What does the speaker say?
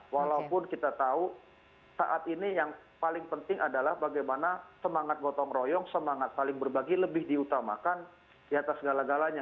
walaupun kita tahu saat ini yang paling penting adalah bagaimana semangat gotong royong semangat saling berbagi lebih diutamakan di atas segala galanya